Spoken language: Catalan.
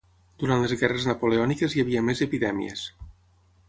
Durant les guerres napoleòniques hi havia més epidèmies.